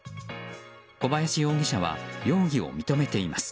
小林容疑者は容疑を認めています。